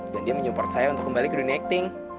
dan dia menyupport saya untuk kembali ke dunia acting